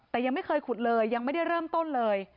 แต่ยังไม่เคยขุดเลยยังไม่ได้เริ่มต้นเลย